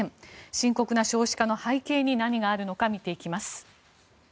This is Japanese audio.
深刻な少子化の背景に何があるのか見ていきます。